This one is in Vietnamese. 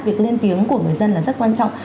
việc lên tiếng của người dân là rất quan trọng